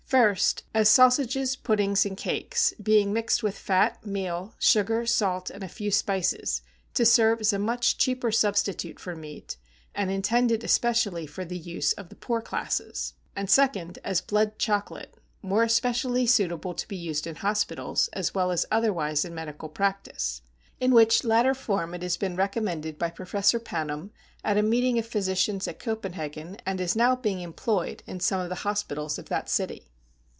First, as sausages, puddings and cakes being mixed with fat, meal, sugar, salt, and a few spices to serve as a much cheaper substitute for meat, and intended especially for the use of the poor classes; and second, as blood chocolate, more especially suitable to be used in hospitals, as well as otherwise in medical practice, in which latter form it has been recommended by Professor Panum, at a meeting of physicians at Copenhagen, and is now being employed in some of the hospitals of that city.